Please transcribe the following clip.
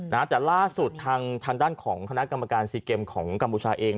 แต่ล่าสุดฐันด้านของคณะกรรมการซีเกมของกำบูชาเอง